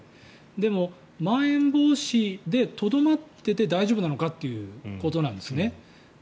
でも、まん延防止措置でとどまってて大丈夫なのかということなんですね。